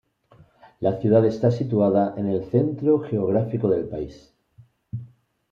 La ciudad está situada en el centro geográfico del país.